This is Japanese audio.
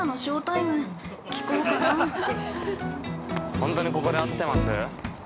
本当にここで合ってます？